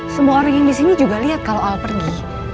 semua orang yang disini juga lihat kalau al pergi